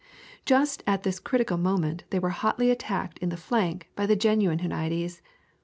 Just at this critical moment they were hotly attacked in the flank by the genuine Huniades.